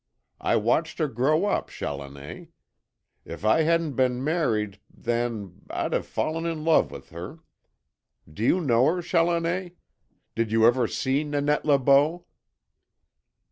I watched her grow up, Challoner. If I hadn't been married then I'd have fallen in love with her. Do you know her, Challoner? Did you ever see Nanette Le Beau?"